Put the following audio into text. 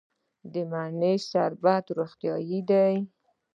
د مڼې شربت روغتیایی دی.